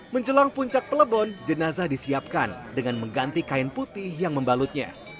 menjelang puncak pelebon jenazah disiapkan dengan mengganti kain putih yang membalutnya